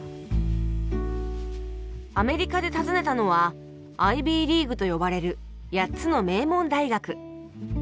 アメリカで訪ねたのはアイビー・リーグと呼ばれる８つの名門大学。